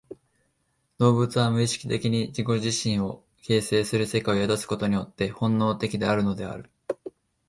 動物は無意識的に自己自身を形成する世界を宿すことによって本能的であるのである。